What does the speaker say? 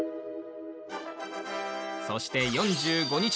そして４５日後。